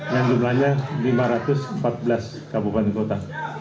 yang jumlahnya lima ratus empat belas kabupaten kota